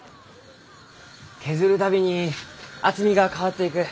削る度に厚みが変わっていく。